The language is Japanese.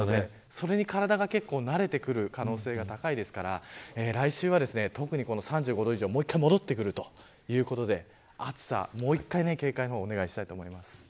それに体が結構慣れてくる可能性が高いですから来週は特に、３５度以上がもう一回戻ってくるということで暑さにもう一回警戒をお願いしたいと思います。